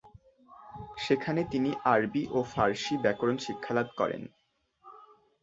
সেখানে তিনি আরবি ও ফারসি ব্যাকরণ শিক্ষালাভ করেন।